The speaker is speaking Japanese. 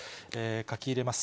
書き入れます。